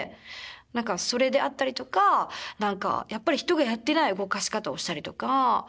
何かそれであったりとかやっぱり人がやってない動かし方をしたりとか。